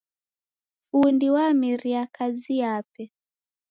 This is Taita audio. Fundi wameria kazi yape